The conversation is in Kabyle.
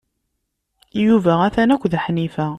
Yuba atan akked Ḥnifa.